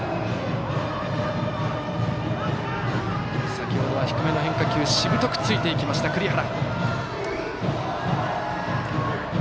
先ほどは低めの変化球しぶとくついていきました、栗原。